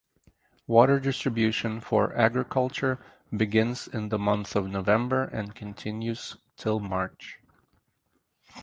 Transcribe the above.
Water distribution for agriculture begins in the month of November and continues till March.